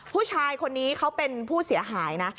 ผู้ชายคนนี้เขาเป็นผู้เสียหายนะ